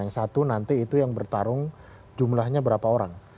yang satu nanti itu yang bertarung jumlahnya berapa orang